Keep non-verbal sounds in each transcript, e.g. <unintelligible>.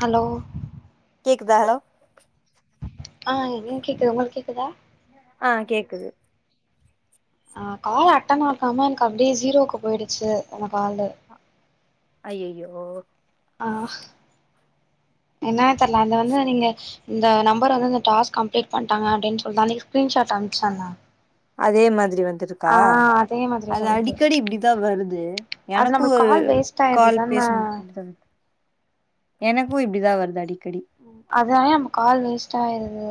Hello கேக்தா hello ஆஹ் எனக்கு கேக்குது உங்களுக்கு கேக்குதா ஆஹ் கேக்குது ஆஹ் கால் அட்டன் ஆகாம எனக்கு அப்படியே ஜீரோவுக்கு போயிடுச்சு அந்த காலு அய்ய்யோ ஆஹ என்ன <inaudible> அதுல வந்து நீங்க இந்த நம்பர் வந்து இந்த டா்ஸ்க் கம்ப்ளிட் பட்டாங்க அப்படின்னு சொல்ட்டு ஸ்கிரின்சாட் அமிச்சாங்க அதே மாதிரி வந்து வந்துஇருக்கா அதே மாதிரி அது சொல்லுது அடிக்கடி இப்படிதான் வருது அது எனக்கும் நம்மளுக்கு ஒரு கால் வேஸ்ட் ஆயிருது கால் தான பேசும்போது எனக்கும் இப்படிதான் வருது அடிக்கடி அதனாலே நம்ம கால் வேஸ்ட் ஆயிருது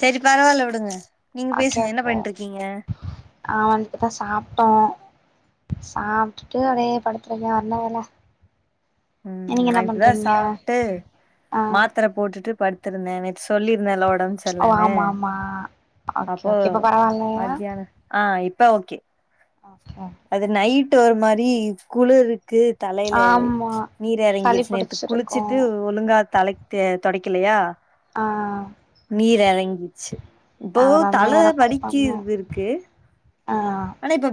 சேரி பரவாயில்ல விடுங்க நீங்க கே பேசுங்க என்ன ஓகே பண்ணிட்ருக்கீங்க அ வன்டுதான் சாப்ட்டோம் <inaudible> சாப்பிட்டுட்டு அதே படுத்துருங்க வர்ன வேலை <inaudible> உஹம் நான் இப்பதான் சாப்ட்டு ஆ மாத்திர போட்டுட்டு படு இருந்தேன் நேத்து சொல்லி ஓ ஆமா ஆமா ஓகே ஓகே இப்ப பரவாயில்லையா <unintelligible> ப்ப ஓகே ஓகே அது நைட் டு ஓரு மாரி குளுரு து தலையில ஆமா நீர் சளி இறங்கிருச்சு நேத்து புடிச்சிருக்கு குளிச்சிட்டு ஒழுங்கா தலைக்கு தொடக் கிலையா ஆ நீர்றங்கிச்சு இப்போ அதெல்லா தா தல எனக்கு பண்ணு வலிக்கிது இருக்கு ஆ ஆனா இப்ப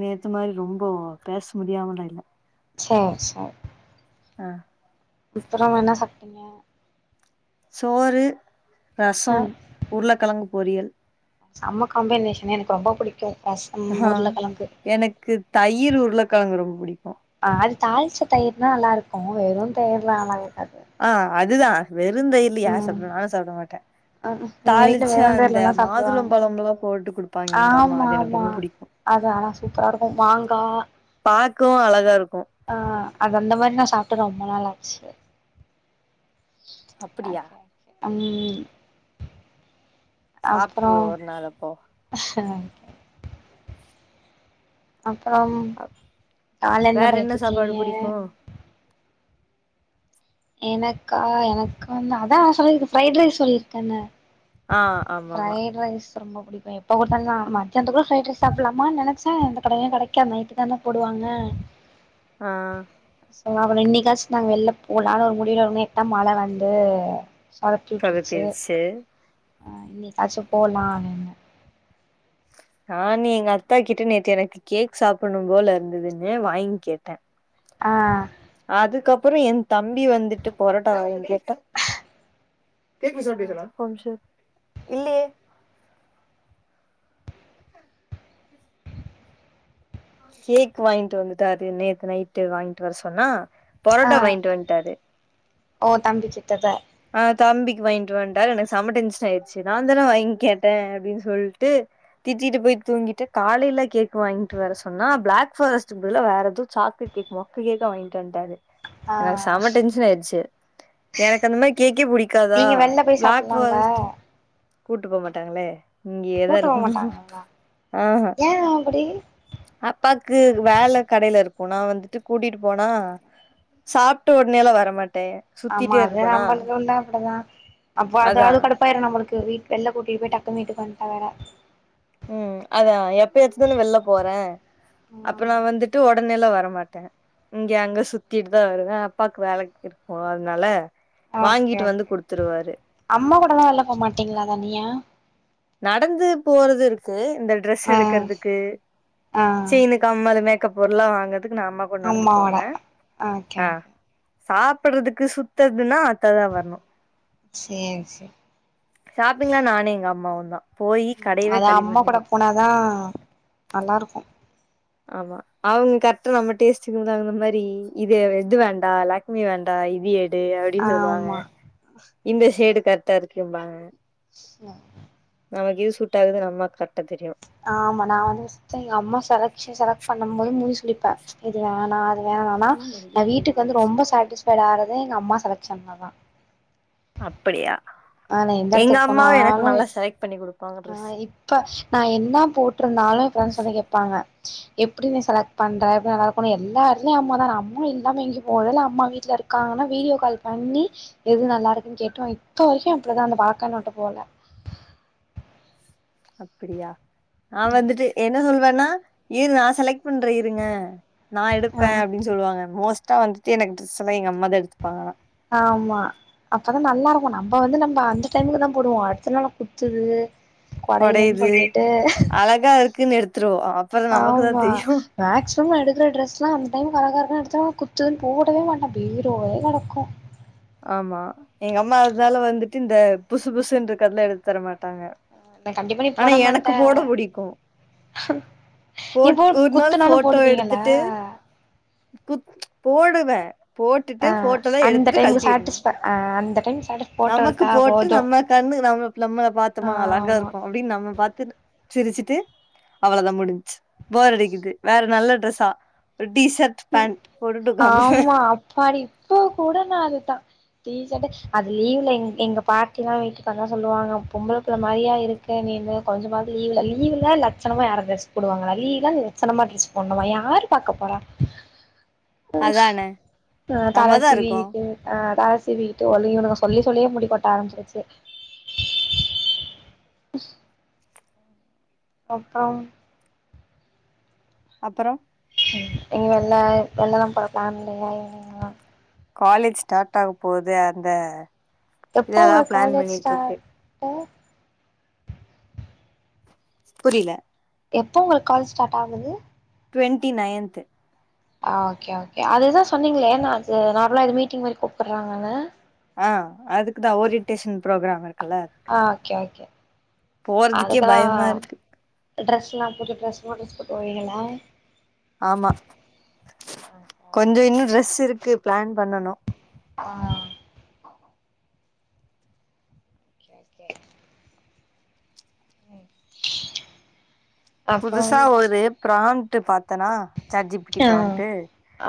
நேத்து மாரி ரொம்ப பேச முடியாமல இல்ல சேரி சேரி ஆஹ் அப்பறம் என்ன சாப்பிட்டீங்க சோறு ரசம் ம் உருளைக்கிழங்கு பொறியல் செம்ம காம்பினேஷன் எனக்கு ரொம்ப புடிக்கும் ரசம் ஆ உருளைக்கிழங்கு எனக்கு தயிர் உருளக்கெழங்கு ரொம்ப புடிக்கு ஆஹ் அது தாளிச்ச தயிர்னா நல்லா இருக்கும் அ வெறும் தயிர்ல ஆன இருக்காது ஆஹ் அதுதான் வெருந்தயிர் இல்ல யார் ம் சாப்பிட நானும் சாப்பிட மாட்டேன் எங்க வீட்ல தாளிச்சு வெறு அந்த தயிர்லதா சாப்டுவாங்க மாதுளம்பழம்லல்லா போட்டு குடுப்பாங்க இங்க அம்மா ஆமா அது எனக்கு ஆமா ரொம்ப பிடிக்கும் அது ஆனா சூப்பரா இருக்கு மாங்கா பார்க்கவும் அழகா இருக்கும் ஆ அது அந்த மாரி நான் சாப்பிட்டு ரொம்ப நாள் ஆச்சு அப்படியா ஓகே ஓகே ம் சாப்ட்ருவோ அப்புறம் ஒரு நாள் அப்போ அப்புறம் கால்ல என்ன வேற சாப்பாடு பன்னிட்டுருக்கீங்க புடிக்கு எனக்கா எனக்கானு அதா சொல்லியிருக்கேன் ஃபிரைட் ரைஸ் சொல்லியிருக்கேன்ன ஆ ஆமா ஆமா ரொம்ப புடிக்கும் எப்ப குடுத்தாலும் மத்தியானத்துகுள்ள ஃபிரைட்ரைஸ் சாப்புடலாமானு நினச்சே எந்த கடலையும் கிடைக்காது நைட்டு தானே போடுவாங்க ஆ இன்னிக்கச்சு நாங்க வெளிய போறோ அதா முடியலோன லேட்ட மழை வந்து சொதப்பி விட்ருச்சு சொதப்பிர்ச்சு ஆ இன்னக்காச்சும் போலாம்னு ந நீ எங்க அத்தா கிட்ட நேத்து எனக்கு கேக் சாப்புடணும் போல இருந்ததுன்னு வாங்கி கேட்டேன் ஆ அதுக்கப்புறம் என் தம்பி வந்துட்டு பொரட்டா வாங்கி திருப்பி சவுண்டு கேக்குதா ஒரு நிமிஷம் இரு இல்லியே கேக் வாங்கிட்டு வந்துட்டாரு நேத்து நைட்டு வாங்கிட்டு வர சொன்னா ஆ பொரோட்டா வாங்கிட்டு வந்ட்டாரு ஓ தம்பிக்கேட்டத ஆ தம்பிக்கு வாங்கிட்டு வந்துட்டாரு எனக்கு செம டென்சன் ஆயிடுச்சு சிதாந்திரம் வாங்கே டேன் அப்படின்னு சொல்லிட்டு திட்டிட்டு போய் தூங்கிட்டு காலையில கேக் வாங்கிட்டு வர சொன்னா பிளாக் பரஸ்ட் பதில வேற எதோ சாக்லேட் கேக் மொக்க கேக்க வாங்கிட்டு வட்டாரு ஆ எனக்கு செம டென்சன் ஆயிடுச்சு எனக் அந்த மாரி கேக்கே பிடிக்காதா நீங்க வெளில போய் பிளாக் சாப்பிடலாம்ல பாரஸ்ட் கூட்டு போ மாட்டாங்களே இங்க ஏதா கூட்டு போ இருக்கணும் மாட்டாங்கல்ல ஆஹ் ஏ அப்படி அப்பாக்கு வேலை கடைல இருக் போனா வந்துட்டு கூட்டிட்டு போனா சாப்ட்டு உடனேலா வரமாட் டே சுத்திட்டேரு நம்மளுக்குண்டா அப்படித்தான் அப்ப அதா அது கூட போயிரும் நம்மளுக்கு வீட் வெள்ள கூட்டிட்டு போய் டக்கு வீட்டு வண்டா வேற உம் அதான் எப்பயாச்சு தானே வெளில போறேன் அப்பற நா ஆமா வந்துட்டு உடனேல வர மாட்டேன் இங்க அங்க சுத்திட்டு தான் வருவேன் அப்பாக்கு வேலை இருக்கும் அதனால ஓகே வாங்கிட்டு வந்து ஓகே குடுத்துருவாரு அம்மா கூடலாம் வெளிய போகமாட்டீங்களா தனியா நடந்து போறது இருக்கு இந்த ட்ரெஸ் ஆ எடுக்கறதுக்கு ஆ செயினு கம்மளூமே பொருலாம் வாங்க துக்கு நா அம்மா கூட நடந்து அம்மாவோட போவே ஓகே ஓகே ஆஹ் சாப்படுறதுக்கு சுத்துறதுன்னா அத்ததா வரணு சேரி சேரி ஷாப்பிங்லா நானு எங்க அம்மாவுந்தா உம் அதா அம்மா கூட போனாதா நல்லாருக்கு ஆமா அவங்க கரெக்டா நம்ம டேஸ்டுக்கு தகுந்த மாரி இது இது வேண்டா லாக்மி வேண்டா இது எ டு அப்டினு சொல்வாங்க ஆமா இந்த ஷேடு கரெக்டா இருக்கும்பாங்க ச நமக்கு எது சூட்டாகுதுன்னு அம்மாக்கு கரெக்டா தெரியு ஆமா நா வந்து <unintelligible> எங்க அம்மா செலக்‌ஷ செலக்ட் பண்ணும் போது மூஞ் சுழி ப்பே இது வேணா அது வேணானா நா வீட்டுக்கு வந்து ரொம்ப சாட்டிஸ்ஃபைடு ஆறது ஏன் அம்மா செலக்‌ஷன்லதா அப்படியா ஆ நா எந்த எங்க எடத்துக்கு அம்மாவு எனக்கு போனாலு நல்லா செலக்ட் பண்ணி குடுப்பாங்க ட்ரெஸ் ஆஹ் இப்ப நா என்ன போட்ருந்தாலு ஃப்ரண்ட்ஸ் வந்து கேப்பாங்க எப்பிடி நீ செலக்ட் பண்ற எல்லா நல்லா இருக்குண்ணு எல்லா எடத்லயு அம்மாதா நா அம்மா இல்லாம எங்கயு போறதில்ல அம்மா வீட்ல இருக்காங்கன்னா வீடியோ கால் பண்ணி எது நல்லா இருக்குன்னு கேட்டு வாங் இப்ப வரைக்கு அப்டிதா அந்த பழக்கோ என்ன விட்டு போகல அப்பிடியா ஆ வந்துட்டு என்ன சொல்வேன்னா. அ இரு நா செலக்ட். பண்ற இருங்க. நா எடுப்ப ஆ அப்படின்னு சொல்லுவாங்க மோஸ்ட். கரட்டா வந்துட்டு எனக்கு டிரெஸ் எல்லா எங்க அம்மா தா எடுத்துப்பாங்களா. ஆமா அப்பதா நல்லா இருக்கு நம்ப வந்து நம்ப அந்த டைமுக்குதா போடுவோ அடுத்த நாள் குத்துது. கொடையுதுன்னு கொடையுது. சொல்லிட்டு அழகா இருக்குன்னு எடுத்துருவோ. அப்புறோ நமக்குதா ஆமா தெரியு மேக்சிமம் எடுக்கிற டிரெஸ் எல்லா அந்த டைம்க்கு அலகாருக்குன்னு எடுத்தோ. குத்துதுன்னு போடவே மாட்ட பீரோவே கெடக்கு. ஆமா எங்க அம்மா அதனால வந்துட்டு இந்த புசு புசுன்று இருக்குறதெல்லா எடுத்துத்தர மாட்டாங்க. நா கண்டிப்பா நீ ஆனா போட எனக்கு மாட்ட போட புடிக்கு. நீ போட் போ ஒரு நாள் குத்துனாலு போட்டோ போடுவீங்கள எடுத்துட்டு புத் ம்ச். போடுவ. போட்டுட்டு ஆ போட்டோலா அந்த எடுத்துட்டு கழ். டைமுக்கு தி இருந்தோ. சாட்டிஸ்ஃபை ஆ அந்த டைம் சாட்டிஸ் போட்டோ நமக்கு இருக்கா போட்டு போது நம்ம கண்ணு நம்மள நம்மள பாத்தோமா அழகா ஆமா இருக்கு அப்படின்னு நம்ம பாத்து. சிரிச்சுட்டு அவ்வளதா முடிஞ்சு. போர் அடிக்குது வேற நல்ல ட்ரெஸ்ஸா. டி ஷர்ட் பேண்ட் போட்டுட்டு அஹ உக்காந்துருவே ஆமா அப்பாடி இப்போ கூட நா அது. ட்டா டிசட்டு அது லீவ்ல எங் எங்க பாட்டிலா வீட்டுக்கல்லா சொல்லுவாங்க பொம்பளபுள்ள மாரியா இருக்கு நீன்னு கொஞ்சமாவது லீவ்ல லீவு்ல லட்சணமா யாராவது ட்ரெஸ் போடுவாங்களா லீவனா லட்சணமா ட்ரெஸ் போண்ணுமா யாரு பாக்க போறா. ஆஹ அதானே எ நம்மதா இருக்கோ தலசீவிகிட்டு அஹ தல. இப்படி இருக்கு வழி உவனுங்க சொல்லி சொல்லியே முடிக்கோட்ட ஆரம்பிருச்சு அப்பறம் அப்பறம் நீங்க எல்லாம் இப்பல்லாம் போற பிளான் இல்லையாவாம் காலேஜ் ஸ்டார்ட் ஆக போது அந்த எப்போ இதெல்லா உங்க பிளான் காலேஜ் பண்ணிட்டு இருக்கு ஸ்டார்ட்டு புரியல எப்போ உங்களுக்கு கால் ஸ்டார்ட் ஆகுது டுவெண்ட்டி நையன்த் ஓகேஓகே அதுதான் சொன்னீங்களேன் நான் அது நார்மலா இது மீட்டிங் மாரி கூப்பிடுறாங்கன்னு அதுக்கு தான் ஓரியன்டேஷன் ப்ரோக்ராம் இருக்கு ஆஹ் ஓகே ஓகே போறதுக்கே பயமா அதுக்கெல்லாம் இருக்கு டிஸ்ல்லாம் புது டிரெஸ்பேட்டு புரியலா ஆமா கொஞ்சம் இன்னும் ட்ரெஸ் இருக்கு பிளான் பண்ணனும் ஆஹ் ஓகே ஓகே உம் புதுசா ஒரு பிராந் ட்டு பாத் பார்த்தனா சேர்ஜிபிடி ஆ பிராபிட்டு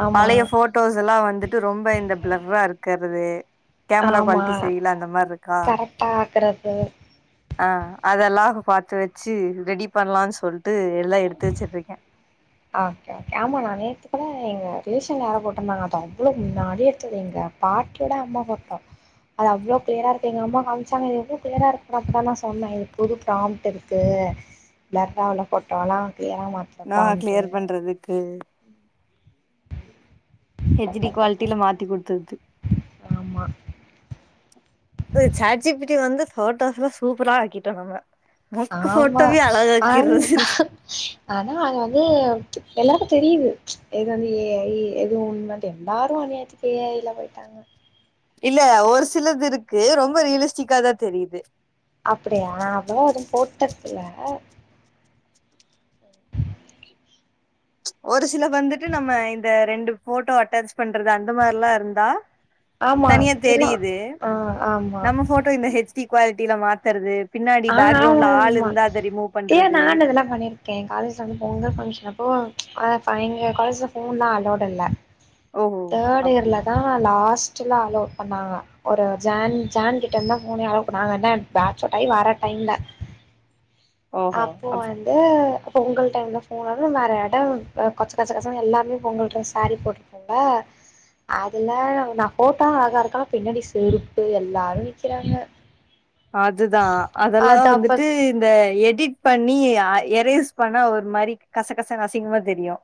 ஆமா பழைய போட்டோஸ் எல்லாம் வந்துட்டு ரொம்ப இந்த பிளர்ரா இருக்கு வே கேமரா ஆமா குவாலிட்டி சரியில்ல அந்த மாரி இருக்கா கரெக்டா ஆக்குறது ஆ அதெல்லாம் பாத்து வச்சு ரெடி பண்ணலானு சொல் லிட்டு எல்லாம் எடுத்து வச்சுட்டு இருக்கேன் ஆ ஓகே ஆமா மாமி இப்ப தான் எங்க ரிலேஷன்ல யாரோ போட்டு இருந்தாங்க அது அவ்ளோ முன்னாடி எடுத்தது எங்க பாட்டியோட அம்மா போட்டோ அது அவ்ளோ கிளியரா இருக்கு எங்க அம்மா காமிச்சாங்க அது எவ்ளோ கிளியரா இருக்கு அப்ப தான் நான் சொன்னேன் இது ப்ராம்ப்ட் இருக்கு பிளர்ரா உள்ள போட்டோ எல்லாம் நா ஏமாத்திடங்களானு கிளியர் பண்றதுக்கு ஹெச்டி குவாலிட்டில மாத்தி குடுத்தது ஆமா சாட் ஜிபிடி வந்து போட்டோஸ் எல்லாம் சூப்பரா ஆக்கிட்டோம் நம்ம மொக்கு ஆமா போட்டோவே அன் அழகாக்கிர்றது இருக்கு <inaudible> ஆனா அது வந்து எல்லாருக்கும் தெரியுது எது வந்து ஏஐ எது உண்மை எல்லாரும் அநியாயத்துக்கு ஏஐ ல போயிட்டாங்க இல்ல ஒரு சிலது இருக்கு ரொம்ப ரியலிஸ்டிக்கா தான் தெரியுது அப்படியா அதெல்லாம் எதும் போட்டுக்கல ஒரு சில வந்துட்டு நம்ம இந்த ரெண்டு போட்டோ அட்டாச் பண்றது அந்த மாரிலாம் இருந்தா ஆமா தனியா ஆக்சுவலா தெரியுது ஆ ஆமா நம்ம போட்டோ இந்த ஹெச் டி குவால் தீல மாத்றது ஆஹ் ஆமா ஆமா ஏ பண்றது நானு அதெல்லா பண்ணிருக்கே காலேஜ்ல வந்து பொங்கல் பங்க்ஷனப்போ ஆ அப்ப எங்க காலேஜ்ல ஃபோன்லா அலோவ்டு இல்ல ஓஹோ தேர்டு அப்டியா இயர்லதா லாஸ்ட்ல அலோவ் பண்ணாங்க ஒரு ஜான் ஜான் கிட்ட இருந்துதா ஃபோனே அலோவ் பண்ணாங்க என்ன பேச் அவுட் ஆயி வர ப்பயிந்த ஓஹோ அப்போ அப் வந்து பொங்கல் டைம்ல ஃபோனு இல்ல வேற எடோ ஆ கொச்ச கசகசனு எல்லாமே பொங்கல் ட்ரெஸ் சேரி போட்ருப்போம்ல அதுல நா ஃபோட்டா அழகா இருக்க ஆனா பின்னாடி செருப்பு எல்லாரு நிக்கிறாங்க அதுதா அதல்லா அது அப்ப வந்துட்டு இந்த எடிட் பண்ணி ஆ எரேஸ் பண்ணா ஒரு மாரி கசகசன்னு அசிங்கமா தெரியு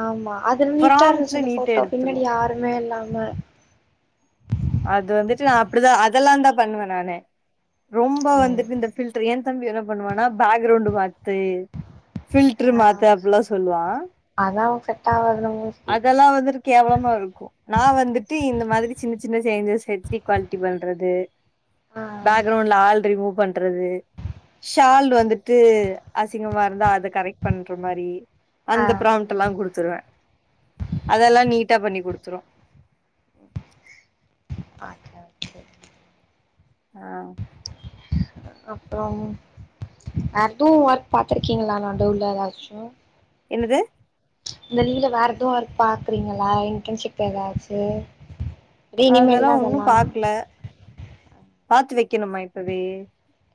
ஆமா அதுல நீட்டா இருந்துச்சு ப்ராம்ட்ல அந்த நீட்டா ஃபோட்டோ எடுத்துரு பின்னாடி யாருமே இல்லா ம அது வந்துட்டு நா அப்டிதா அதல்லாந்தா பண்ணுவே நானு ரொம்ப ம் வந்துட்டு இந்த ஃபில்ட்ரு ஏன் தம்பி என்ன பண்ணுவான்னா பேக்ரவுண்ட் மாத்து ஃபில்ட்ரு ஆ மாத்து அப்டிலா சொல்லுவா அதா செட் ஆவாது நம்மளுக்கு அதல்லா வந்துட்டு கேவலமா இருக்கு நா வந்துட்டு இந்த மாதிரி சின்ன சின் சின்ன சேஞ்சஸ் எப்டி குவாலிட்டி பண்றது ஆ பேக்ரௌண்ட்ல ஆள் ரிமூவ் பண் ட்ரது ஷால் வந்துட்டு அசிங்கமா இருந்தா அத கரெக்ட் பண்ற மாரி ஆ அந்த பிரவுன் எல்லாம் கொடுத்துருவேன் அதெல்லாம் நீட்டா பண்ணி கொடுத்துரு அது <unintelligible> ஆ அப்புறம் அது ஒர்க் பார்த்திருக்கீங்களா நடுவுல ஏதாச்சும் என்னது இந்தலீவுல வேற ஏதாவது ஒர்க் பாக்குறீங்களா இன்டர்ன்ஷிப் ஏதாச்சு ரினிமெல்தா ஒன்னு அதெல்லா பாக்கல பாத்து வெக்கணுமா இப்பவே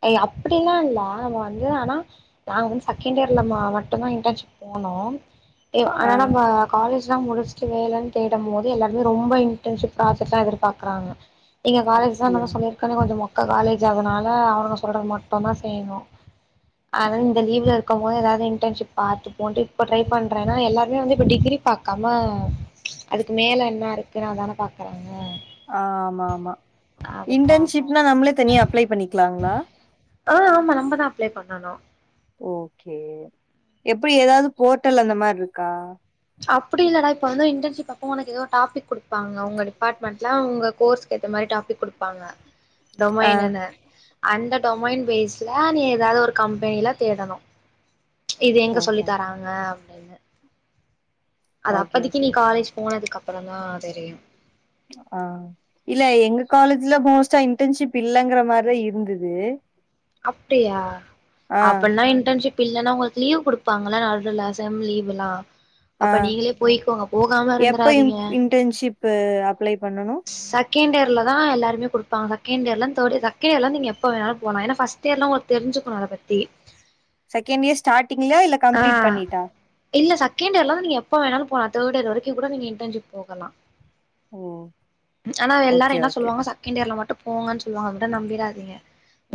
ஏ அப்படிலாம் இல்ல நம்ம வந்து ஆனா நாங்க வந்து செகண்ட் இயர்ல மட்டும் தான் இன்டர்ன்ஷிப் போனோம் ஆ ஆனா நம்ம காலேஜ் எல்லா முடிச்சட்டு வேலைன்னு தேடுபோது எல்லாருமே ரொம்ப இன்டர்ன்ஷிப் ப்ராசெக்ட் தா எதிர்பார்க்குறாங்க எங்க காலேஜ் தா அப்டியா சொல்லிருக்கல கொஞ்ச மொக்க காலேஜ் அதனால அவ அவங்க சொல்றத மட்டும் தான் செய்யணு அதா இந்த லீவுல இருக்கும்போது ஏதாவது இண்டஷிப் பார்த்துப்போன்டு இப்ப ட்ரை பண்றேன் டிகிரி பார்க்காம அதுக்கு மேல என்ன இருக்குனு அத தான் பாக்குறாங்க ஆ ஆமாமா அதுக்காக இன்டர்ன்ஷிப்னா நம்மளே தனியா அப்ளே பண்ணிக்கலாங்களா ஆஹ் ஆமா நம்மதான் அப்ளை பண்ணணும் ஓகே எப்டி ஏதாவது போர்ட்டல் அந்த மாரி இருக்கா அப்டி இல்லடா இப்ப வந்து இன்டர்ன்ஷிப் அப்ப உனக்கு ஏதோ டாபிக் கொடுப்பாங்க டிப்மெண்ட்ல உங்க கோர்ஸ்குஏத்த மாரி டாபிக் கொப்பாங்க ஆ தமைனன்ன அந்த டொமைன் பேஸ்ல நீ ஏதாது ஒரு கம்பெனியில தேடணு இது எங்க சொல்லி ஓஹோ தராங்க இல்ல அது ஓகே அப்பதிக்கு ஓகே நீ காலேஜ் போனதுக்கு அப்பறம் தான் தெரியும் ஆஹ இல்ல எங்க காலேஜ்ல மோஸ்ட்டா இன்டர்ன்ஷிப் இல்லங்கற மாரி இருந்துது அப்டியா அப்பின்னா இன்டர்ன்ஷிப் இப்ப இல்லன்னா உங்களுக்கு லீவ் குடுப்பாங்களா நடுவுல செம் லீவுல்லாம் ஆஹ் எப்ப இருந்துராதீங்க இன்டர்ன்ஷிப் அப்ளை பண்ணனும் செகண்ட் இர்ல தான் எல்லாருமே கொடுப்பங்க செகண்ட் இயர்லாம் தெரிட் செகண்ட் இர்லாம் நீ எப்ப வேணாலும் போலாம் பர்ஸ்ட் இயர்லாம் உங்க தெரிஞ்சுக்கண அத பத்தி செகண்ட் இயர் ஸ்டார்டிங்கலே இல்ல ஆ கம்ப்ளீட் பண்ணிட்டா இல்ல செகண்ட் இயர்ல இருந்து நீங்க எப்ப வேணாலும் போலாம் தேர்ட் இயர் வரைக்கும் கூட நீங்க இன்டர்ன்ஷிப் போகலாம் ஓ ஆனா ஓகே எல்லாரும் என்ன ஓகே சொல்வாங்க செகண்ட் இயர்ல மட்டும் போங்கன்னு சொல்வாங்க அத நம்பிறாதீங்க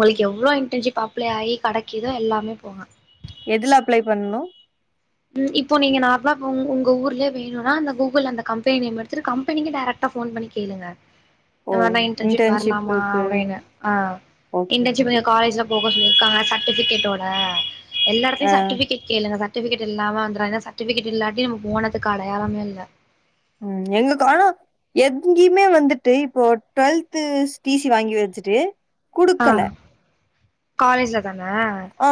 பொய் எவ்ளோ இன்ட்ன்ஷிப் அப்பளே ஆயி கடைக்குதோ எல்லாமே போங்க எதுல அப்ளை பண்ணனு உம் இப்போ நீங்க நார்மலா உங்க ஊர்லயே வேணுனா அந்த கூகுள் அந்த கம்பெனி நேம் எடுத்துட்டு கம்பெனிக்கு டைரக்டா போன் பண்ணி கேளுங்க ஓ இந்த மாரி நா இன்டர்ன்ஷிப் வரலாமா இன்டர்ன்ஷிப்புக்கு அப்டினு ஆஹ் ஓகே இடர்ன்ஷிப் ஓகே காலேஜ்லபோ <inaudible> இருக்காங்க சர்டிஃபிகேட்டோட எல்லா ஆ எடத்லையு சர்டிஃபிகேட் கேளுங்க பா ட்டிவிகேட் எல்லாம வந்துரு ஏன்னா சர்டிபிகேட் இல்லாட்டி நம்ம போனதுக்கு அடையாளமே இல்ல உம் எங்க கால எங்கேயுமே வந்துட்டு இப்போ டுவெல்த் டிசி வாங்கி வச்சுட்டு ஆ குடுக்கல காலேஜ்ல தானா ஆ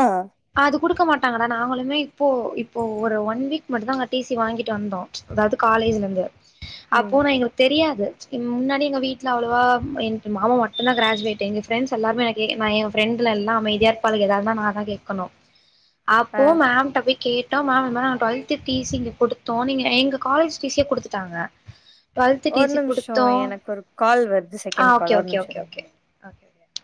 அது குடுக்க மாட்டாங்கடா நாங்களுமே இப்போ இப்போ ஒரு ஒன் வீக் மட்டு தான் நாங்க டீசி வாங்கிட்டு வந்தோம் அதாவது காலேஜ்லந்து ம் அப்போ நான் எங்களுக்கு தெரியாது முன்னாடி எங்க வீட்டுல அவ்வளவா என் மாமா மட்டும் தான் கிராஜ்வேட் எங்க ப்ரெண்ட்ஸ் எல்லார்மே கே நா ஏ ஃப்ரெண்ட்ல எல்லா அமைதியா இருப்பாள்க ஏதாவதுனா நான் தான் கேட்கணும் அப்போ ஆ மேம்ட போய் கேட் அதா மேம் இந்த மார டுவெல்த் டி சி இங்க குடுத்தோ நீங்க எங்க காலேஜ் டி சி ய குடுத்துட்டாங்க டுவெல்த்து டி ஒரு சி நிமிஷோ குடுத்தோ எனக்கு ஒரு கால் வருது ஆ செகண்ட் ஓகே கால் ஒரு ஓகே நிமிஷோ ஓகே இருங் ஓகே ஓகே